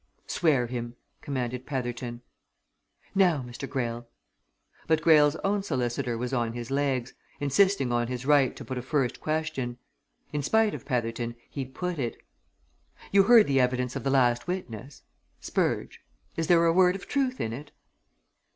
"Swear him!" commanded Petherton. "Now, Mr. Greyle " But Greyle's own solicitor was on his legs, insisting on his right to put a first question. In spite of Petherton, he put it. "You heard the evidence of the last witness? Spurge. Is there a word of truth in it?"